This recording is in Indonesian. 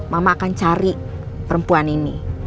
mama akan cari perempuan ini